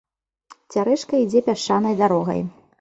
Цярэшка ідзе пясчанай дарогай.